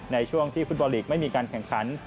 ในช่วงที่ฟุตบอลลีกไม่มีการแข่งขัน